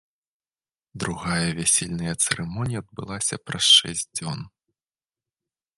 Другая вясельная цырымонія адбылася праз шэсць дзён.